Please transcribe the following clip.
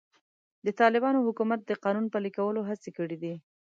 د طالبانو حکومت د قانون پلي کولو هڅې کړې دي.